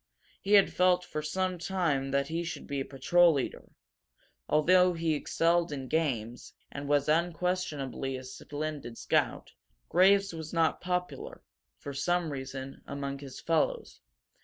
He had felt for some time that he should be a patrol leader. Although he excelled in games, and was unquestionably a splendid scout, Graves was not popular, for some reason, among his fellows.